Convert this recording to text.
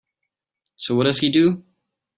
So what does he do?